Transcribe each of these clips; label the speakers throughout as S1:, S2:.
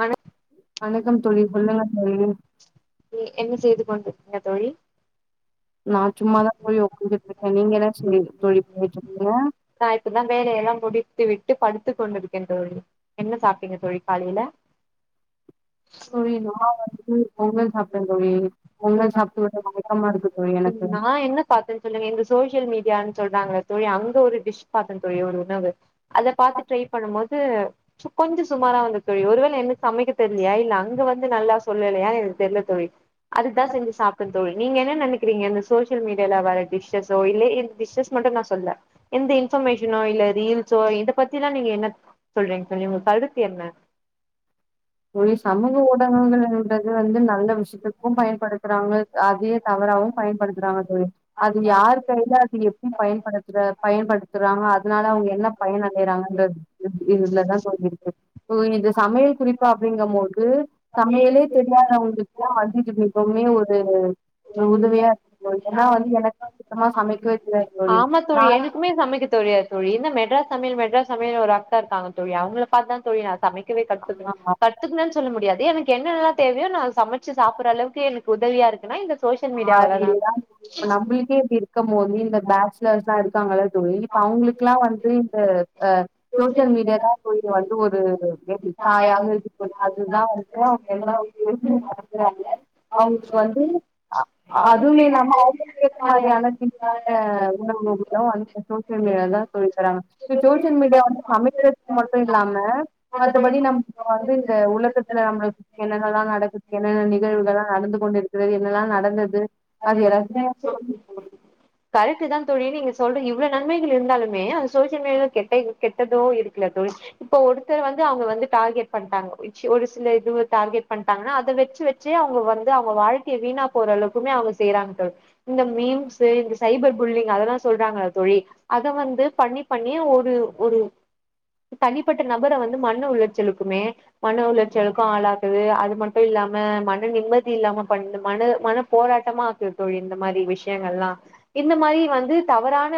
S1: வணக்
S2: வணக்கம் தோழி சொல்லுங்க தோழி
S1: வந்துங்க தோழி
S2: நான் சும்மா தான் தோழி உக்காந்துட்ருக்கேன் நீங்க என்ன பண்றீங்க
S1: நா இப்பதா வேலையெல்லா முடித்து விட்டு படுத்துக் கொண்டுருக்கேன் தோழி என்ன சாப்டீங்க தோழிக்காலையில
S2: தோழி நான் வந்துட்டு பொங்கல் சாப்ட்டேன் தோழி பொங்கல் சாப்ட்டு மயக்கமா இருக்கு தோழி எனக்கு
S1: நா என்ன பாத்தேன் சொல்லுங்க இந்த சோசியல் மீடி பிரியாணி சொல்றாங்க தோழி அங்க ஒரு டிஷ் பாத்தன் தோழி ஒரு உணவு அத பாத்து ட்ரை பண்ணும் போது கொஞ்ச சுமாரா வந்து தோழி ஒருவேள என்னக்கு சமைக்க தெரியலையா இல்ல அங்க வந்து நல்லா சொல்லலையா எனக்கு தெரில தோழி அதுதான் செஞ்சு சாப்புன்னு தோழ் நீங்க என்ன நெனக்கிறிங்க இரு சோசியல் மீடியால வர டிஷ்ஸோ இல்ல டிஷஸ் மட்டும் நான் சொல்ல எந்த இன்ஃபர்மேஷனோ இல்ல ரீல்ஸோ இதை பத்தி எல்லாம் நீங்க என்ன சொல்றீங்க தோழி உங்க கருத்து என்ன
S2: தோழி சமூக ஊடகங்கள்ன்றது வந்து நல்ல விஷயத்துக்கும் பயன்படுத்துறாங்க அதே தவ றா பயன்படுத்துறாங்க தோழி அது யார்ரு கையில அது எப்டி
S1: கைல
S2: பயப பயன்படுத்துறாங்க அதுனால அவங்க என்ன பயனடைறாங்க இதுலதான் தோழி இருக்கு இந்த சமையல் குறி அப்டிங்கும்போது சமையலே தெரியாதவங்களுக்குல்லாம் ஒரே ஒரு உதவியா இருக்கு ஏன்னா வந்து எனக்கு சுத்தமா சமைக்கவே தெரியா தோழி நான்
S1: மெட்ரா சமையல் மெட்ரா சமையல் ஒரு அக்கா இருக்காங்க தோழி அவங்க பார்த்தான் தோழி சமை கத்துக்கணும் கத்துக்கணுனு சொல்ல முடியாது எனக்கு என்னெல்லா தேவையோ நான் சமைச்சு சாப்புற அளவுக்கு எனக்கு உதவியா இருக்குனா இந்த சோசியல் மீடியாவால
S2: அப்டி தான் இப்ப நம்முளுக்கே இப்டி இருக்கும் போது இந்த பேச்சலர்ஸ் லான் இருக்காங்கள தோழி இப்ப அவுங்களுக்குல்லாம் வந்து இந்த அஹ் அ சோசியல் மீடியா தான்
S1: தா
S2: அ அதுமே இல்லாம அவுங்களுக்கு ஏற்ற மாரியான சின் அந்த சோசியல் மீடியால சொல்லி தராங்க சோசியல் மீடியா சமைக்குறதுக்கு மட்டும் இல்லாம மத்தபடி நம்ம வந்து இந்த உலகத்துல நம்ம என்னென்னல்லாம் நடக்குது என்ன நிகழ்வுகலாம் நடந்து கொண்டிருக்கு பிறகு என்னெல்லாம் ந
S1: [inaudible] கரெக்ட்டுதாந் தோழி நீங்க சொல்ற இவ்ளோ நன்மைகள் இருந்தாலுமே அந்த சோசியல் மீடியாவுல்ல கெட்ட கெட்டதோ இருக்குல்ல தோழி இப்போ ஒருத்தர் வந்து அவுங்க வந்து டார்கெட் பண்ட்டாங்க ச்சு ஒரு சில இதுவு டார்கெட் பண்ட்டாங்கன்னா அத வெச்சு வெச்சே அவங்க வந்து அவங்க வாழ் கயே வீணா போற அளவுக்குமே அவங்க செய்றாங்க தோழி இந்த மீம்ஸு இந்த சைபர் புல்லிங் அதெல்லா சொல்றாங்கள தோழி அத வந்து பண்ணி பண்ணி ஒரு ஒரு தனிப்பட்ட நபர வந்து மன உளைச்சலுக்குமே மன உளைச்சலுக்கு ஆளாக்குது அது மட்டு இல்லாம மன நிம்மதி இல்லாம பண்ணு மன மன போராட்டமா ஆக்குது தோழி இந்த மாரி விஷ்யங்கள்ல்லா இந்த மாரி வந்து தவறான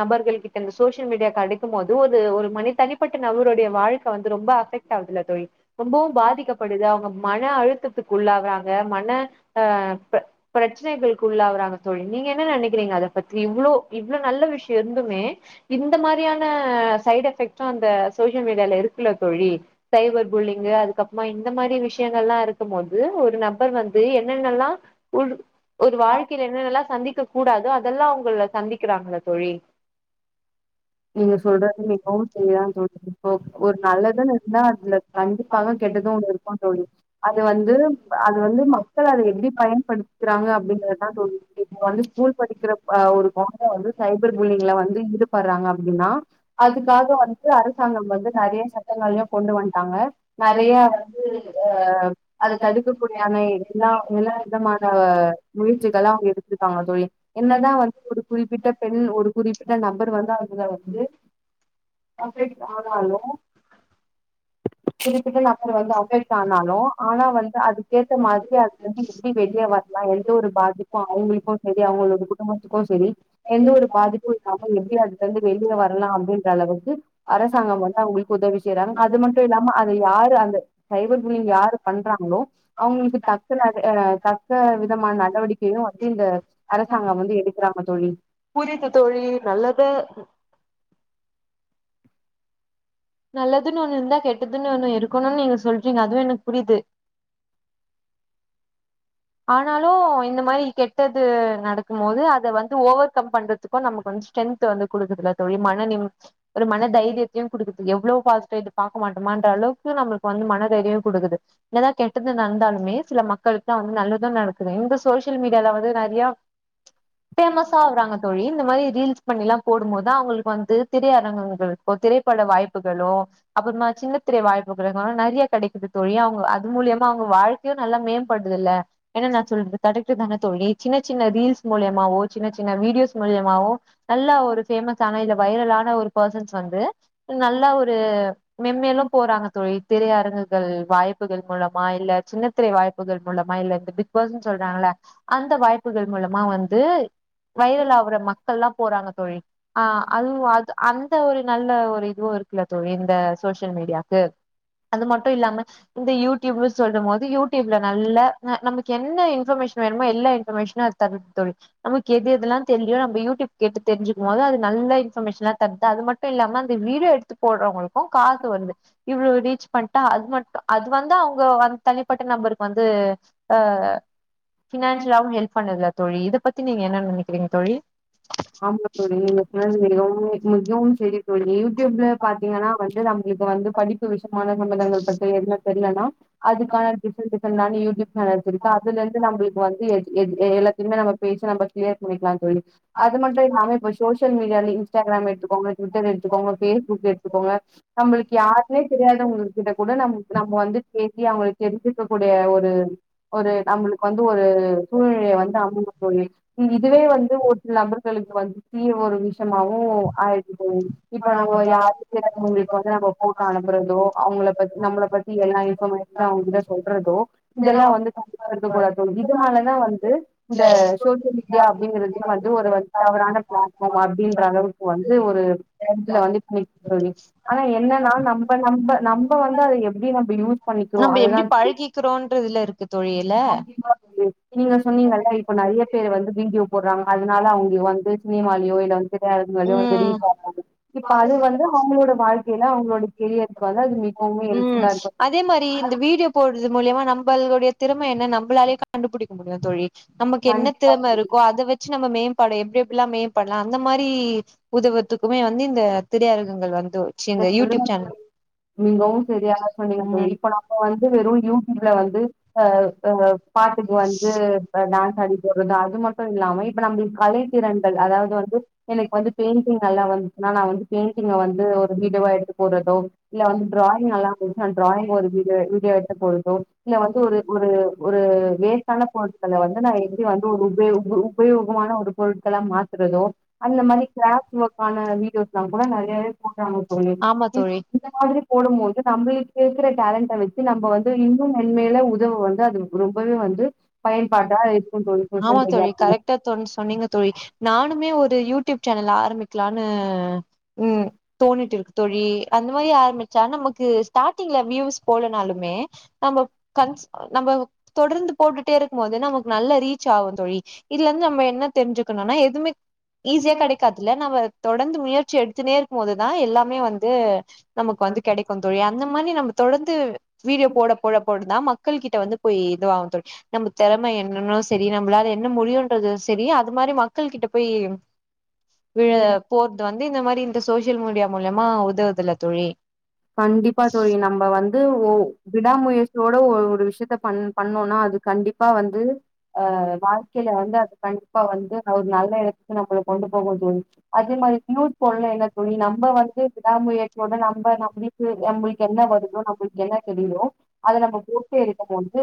S1: நபர்கள் கிட்ட இந்த சோஷியல் மீடியா கெடைக்கும்போது ஒரு ஒரு மனி தனிப்பட்ட நபருடைய வாழ்க்க வந்து ரொம்ப அஃபெக்ட் ஆவுதுல தோழி ரொம்பவு பாதிக்கப்படுது அவங்க மன அழுத்தத்துக்கு உள்ளாகுறாங் ங்க மன அ பிர பிரச்சனைகளுக்கு உள்ளாவுறாங்க தோழி நீங்க என்ன நெனைக்கிறீங்க அத பத்தி இவ்ளோ இவ்ளோ நல்ல விஷ்யோ இருந்துமே இந்த மாரியான சைடு எஃபெக்ட்டு அந்த சோசியல் மீடியால இருக்குல்ல தோழி சைபர் புல்லிங்கு அதுக்கப் புறமா இந்த மாரி விஷ்யங்கள்லா இருக்கும் போது ஒரு நப் நபர் வந்து என்னென்னல்லா உள்ளு ஒரு வாழ்க்கைல என்னென்னல்லா சந்திக்க கூடாதோ அதெல்லா அவுங்கள சந்திக்குறாங்கள தோழி
S2: நீங்க சொல்ற மிகவும் சரிதா தோழி ஒரு நல்லதுன் இருந்தா அதுல கண்டிப்பாக கெட்டது ஒண்ணு இருக்கும் தோழி அது வந்து அது வந் ந்து மக்கள் அத எப்டி பயன்படுத்துறாங்க அப்டிங்கறதா தோழி வந்து ஸ்கூல் படிக்கிற‌ அ ஒரு கொழந்த வந்து சைபர் புல்லிங்குல வந்து ஈடுபடுறாங்க னா அதுக்காக வந்து அரசாங்கம் வந்து நறையா சட்டங்களையு கொண்டு வன்டாங்க நறையா அ அத தடுக்க [unintelligible] எல்லா எல்லா விதமான முயற்சிகளா அவங்க எடுத்துருக்காங்க தோழி என்னதா வந்து ஒரு குறிப்பிட்ட பெண் ஒரு குறிப்பிட்ட நபர் வந்து அவ் ங்கள வந்து [inaudible] ஆனாலு [unintelligible] வந்து அஃபெக்ட் ஆனாலு ஆனா வந்து அதுக்கேத்த மாதிரி அது வந்து எப்டி வெளிய வர்லா எந்த ஒரு பாதிப்பு அவங்களுக்கு சேரி அவங்களோட குடும்பத்துக்கு சேரி எந்த ஒரு பாதிப்பு இல்லாம எப்டி அது வெளிய வர்லா அப்டின்ற அளவுக்கு அரசாங்கம் வந்து அவங்களுக்கு உதவி செய்யறாங்க அது மன் ட்டு நம்ம அத யாரு அந்த சைபர் புல்லிங் யாரு பண்றாங்களோ அவங்களுக்கு தக்க தக்க விதமான நடவடிக்கையு வந்து இந்த அரசாங்கம் வந்து எடுக்குறாங்க தோழி
S1: புரியுது தோழி நல்லது நல்லதுன் ஒண்ணு இருந்தா கெட்டதுன் ஒண்ணு இருக்கணுன் நீங்க சொல்றீங்க அதுவு எனக்கு புரிது ஆனாலு இந்த மாரி கெட்டது நடக்கும் போது அத வந்து ஓவர் கம் பண்றதுக்கு நமக்கு வந்து ஸ்ட்ரென்த் வந்து குடுக்குதுல தோழி மன நிம் ஒரு மன‌ தைரியத்தையு குடுக்குது எவ்ளோ பாஸ்டு இது பாக்க மாட் ஆமான்ற அளவுக்கு நம்மளுக்கு வந்து மன தைரியோ குடுக்குது என்னதா கெட்டது நடந்தாலுமே சில மக்களுக்கு தா வந் நல்லது நடக்குது இந்த சோசியல் மீடியால வந்து நறையா ஃபேமஸ் ஆவுறாங் தோழி இந்த மாரி ரீல்ஸ் பண்ணி எல்லாம் போடும் போதுதா அவங்களுக்கு வந்து திரையரங்குங்களுக்கோ திரைப்பட வாய்ப்புகளோ அப்புறமா சின்ன திரை வாய்ப்புகளு நறையா கெடைக்குது தோழி அவங்க அது மூலியமா அவங்க வாழ்க்கையு நல்லா மேம்படுதுல்ல என்ன நா சொல்றது கரெக்ட்டுதான தோழி சின்ன சின்ன ரீல்ஸ் மூலியமாவோ சின்ன சின்ன வீடியோஸ் மூலியமாவோ நல்லா ஒரு ஃபேமஸ் ஆன இல்ல வைரலான ஒரு போஸ்சன்ஸ் வந்து நல்லா ஒரு மெம்மேலும் போறாங்க தோழி திரையரங்குகள் வாய்ப்புகள் மூலமா இல்ல சின்னத்திரை வாய்ப்புகள் மூலமா இல்ல இந்த பிக் பாஸ்ன்னு சொல்றாங்கள அந்த வாய்ப்புகள் மூலமா வந்து வைரல் ஆகுற மக்கள்லா போறாங்க தோழி ஆ அதுவு அது அந்த ஒரு நல்ல ஒரு இதுவு இருக்குல்ல தோழி இந்த சோசியல் மீடியாக்கு அது மட்டு இல்லாம இந்த யூடியூப் சொல்லு போது யூடியூப்ல நல்ல அ நமக்கு என்ன இன்பர்மேஷன் வேணுமோ எல்லா இன்ஃபர்மேஷனு அது தருது தோழி நமக்கு எது எதல்லா தெர்லியோ நம்ம யூடியூப் கேட்டு தெரிஞ்சுக்கு மோது அது நல்ல இன்ஃபர்மேஷன்லா தருதா அது மட்டு இல்லாம அந்த வீடியோ எடுத்து போடுறவங்களுக்கு காசு வருது இவ்ளோ ரீச் பண்ட்டா அது மட்டு அது வந்து அவுங்க வந் தனிப்பட்ட நம்பருக்கு வந்து ஆ
S2: ஆ
S1: ஃபினான்சியலாவு ஹெல்ப் பண்ணுது தோழி இத பத்தி நீங்க என்ன நெனைக்கிறீங்க தோழி
S2: ஆமா தோழி நீங்க சொன்னது மிகவும் மிகவும் சேரி தோழி யூடியூப்ல பாத்தீங்கன்னா வந்து நம்மளுக்கு வந்து படிப்பு விஷ் மான சமதங்கள் பத்தி எதுனா தெரியலனா அதுக்கான டிஃபரென்சேஷன் தான யூடியூப் மேலத்துருக்கு அதுல இருந்து நம்பளுக்கு வந்து எஜ் எ எல்லாத்திலியுமே நம்ப பேஜ் நம்ப கியர் பண்ணிக்கலா தோழி அது மட்டு இல்லாம இப்ப சோசியல் மீடியால இன்ஸ்டாகிராம் எடுத்துக்கோங்க ட்விட்டர் எடுத்துக்கோங்க பேஸ்புக் எடுத்துக்கோங்க நம்மளுக்கு யாருன்னே தெரியாதவங்ககிட்ட கூட நம் நம்ம வந்து பேசி அவுங்களு தெடுக்கு இருக்கக் கூடிய ஒரு ஒரு நம்மளுக் வந் ஒரு சூழ்நிலைய வந்து அமுங்கு தோழி இதுவே வந்து ஒ லபர்களுக்கு வந்து தீய ஒரு விஷ்யமாவு ஆயிட்டு தோழி இப்ப நம்ம யாருக்கு கேட்டங்களுக்கு வந்து நம்ம போட்டோ அனுப்புறதோ அவுங்கள நம்மள பத்தி எல்லா இன்ஃபர்மேஷனு அவங்கிட்ட சொல்றதோ இதெல்லா வந்துதா கருக்கக்கூடாது தோழி இதுனாலதா வந்து இந்த சோசியல் மீ டியா அப்பிடிங்கறது வந்து ஒரு வந் தவறான பிளாடஃபார்ம் அப்பிடின்ற அளவுக்கு வந்து ஒரு இதுல வந்து இப் நீ இப் நீ ஆனா என்னன்னா நம்ப நம்ப நம்ப வந்து எப்படி நம்ப யூஸ் பண்ணிக்கிறோ
S1: நம்ம எப்பிடி
S2: அதுதா
S1: பழகிக்கிறோ இன்றதுல இருக்கு தோழி இல
S2: நீங்க சொன்னீங்கல்ல இப்ப நெறைய பேர் வந்து வீடியோ போறாங்க அதனால அவிங்க வந்து சினிமாலயோ இல்ல வந்து திரையறங்களயோ வந்து
S1: ம்
S2: ரீச் ஆவாங்க இப்ப அது வந்து அவங்களோட வாழ்க்கையில அவங்களோட கெரியருக்கு வந்து அது மிக
S1: ம் அதே மாரி இந்த வீடியோ போடு இது மூழியமா நம்மளுடைய திறமை என்ன நம்மளாலே கண்டுபுடிக்க முடியு தோழி நமக்கு என்ன
S2: கண்டிப்பா
S1: திறமை இருக்கோ அத வச்சி நம்ம மேம்பாடு எப்பிடி எப்பிடிலா மேம்படலா அந்த மாரி உதவத்துக்குமே வந்து இந்த திரையரகங்கள் வ தோ சி இந்த யூடியூப் சேனல்
S2: செரியா சொன்னிங்க தோழி
S1: ம்
S2: இப்ப நம்ம வந்து வெறு யூடியூப்ல வந்து அ அ பாட்டுக்கு வந்து டான்ஸ் அடி போறது அது மட்டு இல்லாம இப்ப நம்ம கலை திறன்கள் அதாவது வந்து எனக்கு வந்து பெயிண்டிங் நல்லா வந்துச்சன்னா நா வந்து பெயிண்டிங்க வந்து ஒ வீடியோவா எடுத்து போறதோ இல்ல வந்து டிராயிங் நல்லா செஞ்சு அந்த டிராயிங் ஒரு வீடியோ எடுத்து போறதோ இல்ல வந்து ஒரு ஒரு ஒரு வேஸ்டான பொருட்கள வந்து நா எப்டி வந்து ஒரு உப உபயோகமான ஒரு பொருட்களா மாத்துறதோ அந்த மாதிரி கிராப்ட் ஒர்கான வீடியோஸ் நாங்க கூட நிறையவே தாங்க தோழி
S1: ஆமா தோழி
S2: இது மாதிரி போடும் போது நம்மளுக்குக்கிற டேலண்ட வச்சு நம்ம வந்து இன்னும் மென் மேலும் உய் பயன்பாட்டா இருக்கும் தோழி சோஷியல்
S1: ஆமா
S2: மீடியா
S1: தோழி
S2: அப்படிங்கிறது.
S1: கரக்டா தோ சொன்னீங்க த தோழி நானுமே ஒரு யூடியூப் சேனல் ஆரம்பிக்கலான்னு ம் தோணிட்டு இருக்கு தோழி அந்த மாதிரி ஆரம்பிச்சா நமக்கு ஸ்டார்டிங்ல வியூஸ் போலனாலுமே நம்ம கன்ஸ் நம்ம தொடர்ந்து போட்டுட்டே இருக்கும் போது நமக்கு நல்ல ரீச் ஆவுந் தோழி இதுல இருந்து நம்ம என்ன தெரிஞ்சுக்கணுனா எதுவுமே ஈஸியா கெடைக்காதுல நாம்ப தொடர்ந்து முயற்சி எடுத்துன்னே இருக்கும் போதுதான் எல்லாமே வந்து நமக்கு வந்து கெடைக்கு தோழி அந் இந்த மாரி நம்ம தொடந்து வீடியோ போட போட போட தா மக் கள் கிட்ட வந்து போய் இதுவாகு தோழி நம்ம தெறம என்னன்னு சரி நம்மளால என்ன முடியுன்றது சரி அது மாரி மக்கள் கிட்ட போய் விழ போர்து வந் இந்த மாரி இந்த சோசியல் மீடியா மூலியமா உதவுதுல தோழி
S2: கண்டிப்பா தோழி நம்ம வந்து ஓ விடாமுயற்சியோட ஒ ஒரு விஷயத்த பண் பண்ணோனா அதுக் கண்டிப்பா வந்து அ வாழ்க்கைல வந்து அது கண்டிப்பா வந்து அது ஒரு நல்ல எடத்துக்கு நம்ம கொண்டு போகுந் தோழி அதே மாரி நியூஸ் போலே தோழி நம்ம வந்து விடாமுயற் யோட நம்ப நம் நம்மளுக்கு என்ன வருதோ நம்மளுக்கு என்ன தெரியுதோ அத நம்ம போட்டே எடுக்கும் போது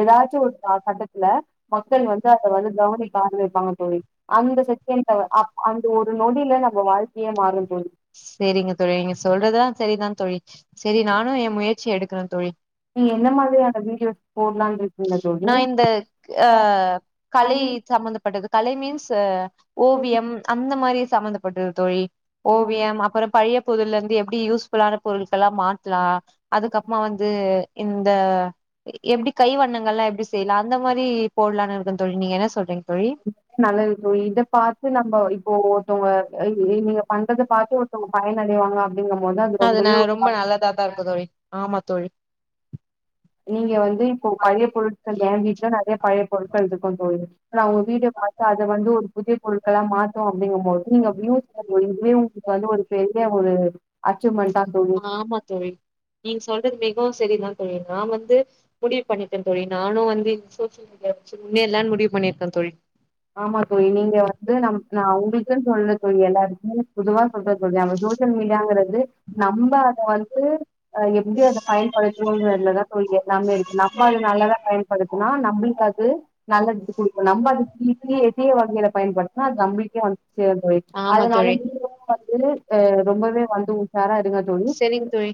S2: ஏதாச்சு ஒரு ஆ கட்டத்துல மக்கள் வந்து அத வந்து கவனிக்க ஆரம்பிப்பாங்க தோழி அந்த செகண்ட் அந்த ஒரு நொடில நம்ம வாழ்க்கையே மாறும் தோழி
S1: சேரிங்க தோழி நீங்க சொல்றதுல்லா சரிதான் தோழி சேரி நானு ஏ முயற்சி எடுக் குறேன் தோழி
S2: நீங்க என்ன மாரியான வீடியோஸ் போடலான் இருக்
S1: நா இந்த ஆ கலை சம்பந்தப்பட்டது கலை மீன்ஸ் ஓவியம் அந்த மாரி சம்மந்தப்பட்டது தோழி ஓவியம் அப்றம் பழைய பொருள்லேந்து எப்டி யூஸ்ஃபுல்லான பொருட்கலா மாத்தாலா
S2: தோழி
S1: அதுக்கப்புறமா வந்து இந்த எப்டி கை வண்ணங் அ எப்டி செய்லா அந்த மாரி போடலானு இருக்கே தோழி நீங்க என்ன சொல்றீங்க தோழி
S2: நல்லது தோழி இத பாத்து நம்ம இப்போ ஒருத்தவங்க நீங்க பண்றத பாத்து ஒருத்தவங்க பயனடைவாங்க அப்டிங்கும்போது அது
S1: நா
S2: ரொம்பவே ஒரு
S1: ரொம்ப
S2: மாரி
S1: நல்லதாதா இருக்கு தோழி ஆமா தோழி
S2: நீங்க வந்து இப்போ பழைய பொருட்கள்ள எ வீட்டுல நறையா பழைய பொருட்கள் இருக்கு தோழி நா உங்க வீடு பாத்து அத வந்து ஒரு புதிய பொருட்களா மாத்தோ அப்டிங்கும் போது நீங்க அப்டியு இதுவே உங்களுக்கு வந்து ஒரு பெரிய ஒரு அச்சீவ்மெண்ட் தா தோழி
S1: ஆமா தோழி நீங்க [unintelligible] சரிதா தோழி நா வந்து முடிவு பண்ணி டே தோழி நானு வந்து சோசியல் மீடியா வச்சு முன்னேறுல்லாம்னு முடிவு பண்ணிருக்கே தோழி
S2: ஆமா தோழி நீங்க வந்து நம் உங்களுக்குன்னு சொல்லல தோழி எல்லாருக்குமே பொதுவா சொல்றே தோழி நம்ம சோஷியல் மீடியங்கிறது நம்ம அத வந்து அ எப்டி அத பயன்படுத்தணும்ங்கதுலதா தோழி எல்லாமே இருக்கு நம்ம நல்லதா பயன்படுத்துனா நம்மளுக்கு அது நல்லது கொடுக்கு நம்ம அது [unintelligible] [unintelligible] எடிய வகையில பயன்படுத்தினா அது நம்பளுக்கே வந்து சேரு தோழி அதனால நீ வந்து அ ரொம்பவே வந்து உஷாரா இருங்க தோழி
S1: செரிங்க தோழி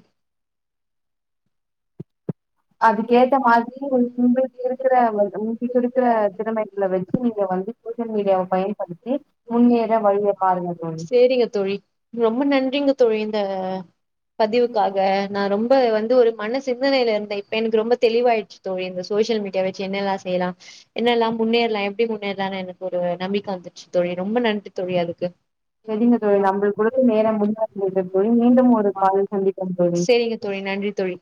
S2: அதுக்கேத்த மாதிரி உ முபிடுக்கற முன்படுக்கிற திறமைப்புல வச்சு நீங்க வந்து சோசியல் மீடியாவை பயன்படுத்தி முன்னேற வழிய பாருங்க தோழி
S1: சேரிங்க ஆ பதிவுக்காக நா ரொம் இப்ப வந்து ஒரு மன சிந்தனைல இருந்த இப் இப்ப எனக்கு ரொம்ப தெளிவாயிடுச்சு தோழி இந்த சோசியல் மீடியா வச்சு என்னெல்லா செய்யலா என்னெல்லா முன்னேறலா எப்படி முன்னேறலான்னு எனக்கு ஒரு நம்பிக்கை வந்துருச்சு தோழி ரொம்ப நன்றி தொழி அதுக்கு
S2: செரிங்க தொழி நம்மள்க் குடுத்தநேர [unintelligible] தொழி மீண்டு ஒரு கால்ல சந்திப்போ தோழி
S1: சேரிங்க தோழி நன்றி தோழி